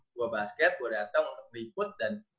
gue basket gue datang untuk berikut dan